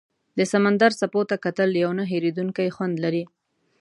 د سمندر څپو ته کتل یو نه هېریدونکی خوند لري.